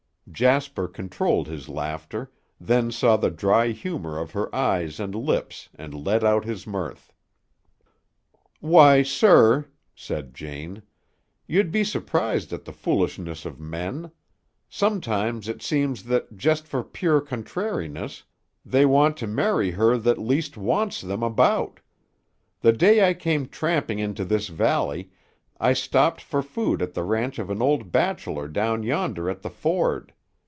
Jasper controlled his laughter, then saw the dry humor of her eyes and lips and let out his mirth. "Why, sir," said Jane, "you'd be surprised at the foolishness of men. Sometimes it seems that, just for pure contrariness, they want to marry her that least wants them about. The day I came tramping into this valley, I stopped for food at the ranch of an old bachelor down yonder at the ford.